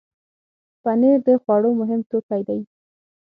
پنېر د خوړو مهم توکی دی.